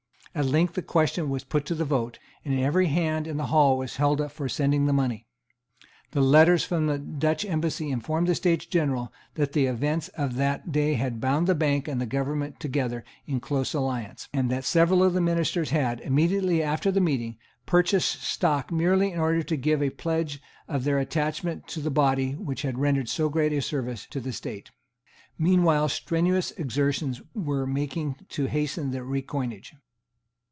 At length the question was put to the vote; and every hand in the Hall was held up for sending the money. The letters from the Dutch Embassy informed the States General that the events of that day had bound the Bank and the government together in close alliance, and that several of the ministers had, immediately after the meeting, purchased stock merely in order to give a pledge of their attachment to the body which had rendered so great a service to the State. Meanwhile strenuous exertions were making to hasten the recoinage.